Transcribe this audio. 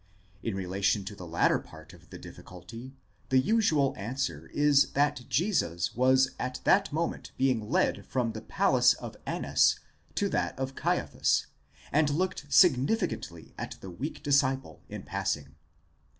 In relation to the latter part of the difficulty, the usual answer is that Jesus was at that moment being led from the palace of Annas to that of Caiaphas, and looked significantly at the weak disciple in passing.